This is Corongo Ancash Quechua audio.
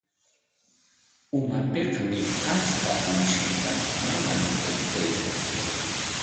Umanpikmi achka usata maman hurquykan.